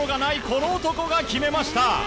この男が決めました。